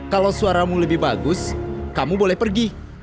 kalau suaramu lebih bagus kamu boleh pergi